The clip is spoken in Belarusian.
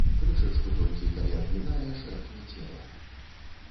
Крышачку толькі, калі абмінае, шэрхне цела.